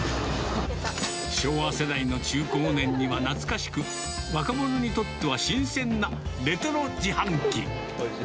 昭和世代の中高年には懐かしく、若者にとっては新鮮なレトロ自販機。